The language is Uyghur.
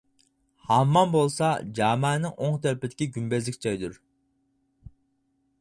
ھاممام بولسا، جامەنىڭ ئوڭ تەرىپىدىكى گۈمبەزلىك جايدۇر.